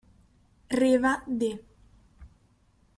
Riva d.